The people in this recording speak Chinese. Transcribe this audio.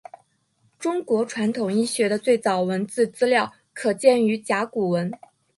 中国传统医学的最早文字资料可见于甲骨文。